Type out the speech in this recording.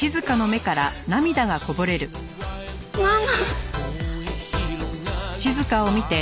ママ！